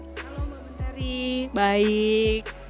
halo mbak menteri baik